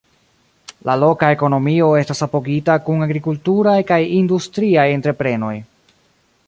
La loka ekonomio estas apogita kun agrikulturaj kaj industriaj entreprenoj.